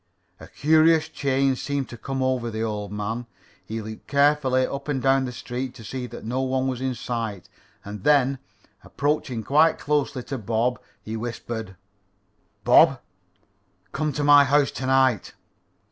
A curious change seemed to come over the old man. He looked carefully up and down the street to see that no one was in sight, and then, approaching quite closely to Bob, he whispered: "Bob, come to my house to night."